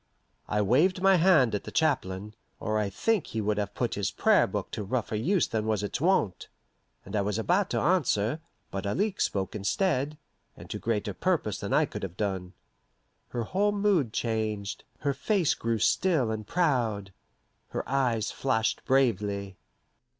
I waved my hand at the chaplain, or I think he would have put his Prayer Book to rougher use than was its wont, and I was about to answer, but Alixe spoke instead, and to greater purpose than I could have done. Her whole mood changed, her face grew still and proud, her eyes flashed bravely.